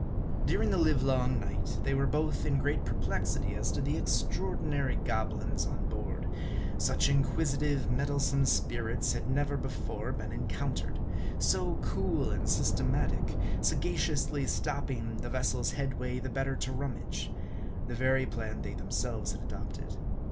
During the live long night they were both in great per plexity as to the extraordinary goblins on board. Such 106 M A R D I. inquisitive, meddlesome spirits, had never before been en countered. So cool and systematic ; sagaciously stopping the vessel's headway the better to rummage ; the very plan they themselves had adopted.